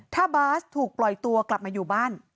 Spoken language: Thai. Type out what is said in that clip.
ถ้าบาสถูกปล่อยตัวกลับมาอยู่บ้าน